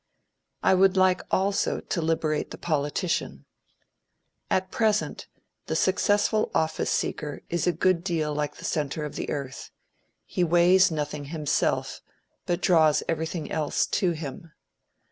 I would like also to liberate the politician. At present, the successful office seeker is a good deal like the centre of the earth; he weighs nothing himself, but draws everything else to him.